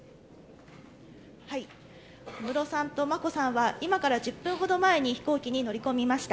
小室さんと眞子さんは、今から１０分ほど前に飛行機に乗り込みました。